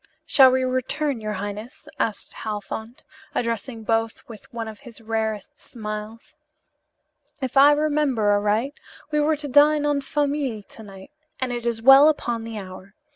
"Shall we return, your highness?" asked Halfont, addressing both with one of his rarest smiles. "If I remember aright, we were to dine en famille to night, and it is well upon the hour.